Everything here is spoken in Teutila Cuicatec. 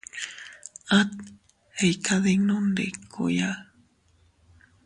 At iykaddinnundikuya.